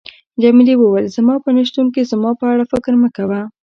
جميلې وويل: زما په نه شتون کې زما په اړه فکر مه کوه.